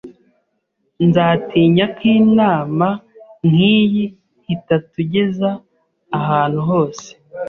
Nzatinya ko inama nkiyi itatugeza ahantu hose.